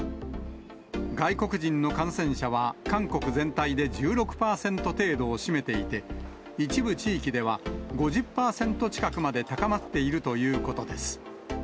外国人の感染者は韓国全体で１６％程度を占めていて、一部地域では、５０％近くまで高まっているということです。